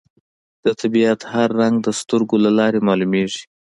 د طبیعت هر رنګ د سترګو له لارې معلومېږي